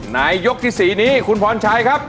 ยกที่๔นี้คุณพรชัยครับ